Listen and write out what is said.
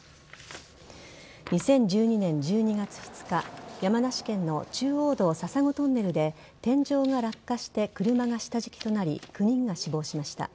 ２０１２年１２月２日山梨県の中央道笹子トンネルで天井が落下して車が下敷きとなり９人が死亡しました。